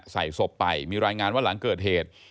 ศพไปมีรายงานว่าหลังเกิดเหตุ